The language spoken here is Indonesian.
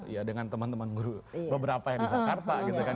ya dengan teman teman guru beberapa yang di jakarta gitu kan